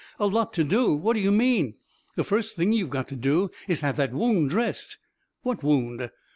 "A lot to do? What do you mean? The first thing you've got to do is to have that wound) dressed." "What wound?"